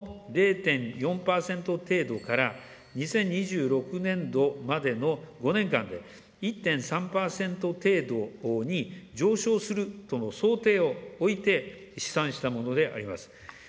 実際に経験した上昇幅とペースで、足元の０．４％程度から、２０２６年度までの５年間で１．３％程度に上昇するとの想定を置いて試算したものであります。